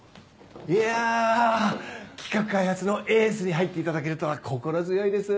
いや企画開発のエースに入っていただけるとは心強いです。